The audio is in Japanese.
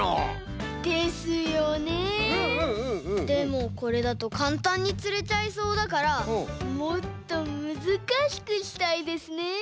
でもこれだとかんたんにつれちゃいそうだからもっとむずかしくしたいですね。